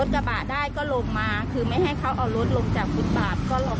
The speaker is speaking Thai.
ก็ยกรถขึ้นรถกระบะ